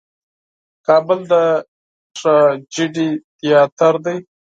کابل د ټراجېډي تیاتر دی.